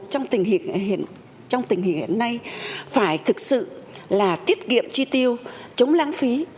trong tình hình hiện nay phải thực sự là tiết kiệm tri tiêu chống lãng phí